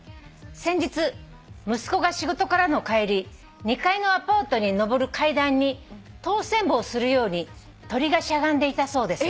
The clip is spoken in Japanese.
「先日息子が仕事からの帰り２階のアパートに上る階段にとおせんぼをするように鳥がしゃがんでいたそうです」